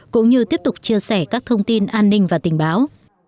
cũng như tiếp tục chia sẻ các thông tin an ninh và tình báo